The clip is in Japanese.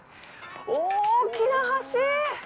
大きな橋。